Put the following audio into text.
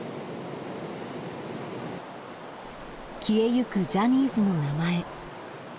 消えゆくジャニーズの名前。